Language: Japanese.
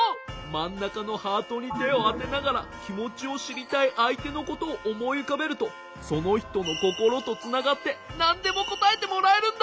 まんなかのハートに手をあてながら気持ちをしりたいあいてのことをおもいうかべるとそのひとのココロとつながってなんでもこたえてもらえるんだ！